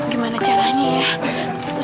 gimana caranya ya